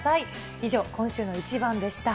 以上、今週のイチバンでした。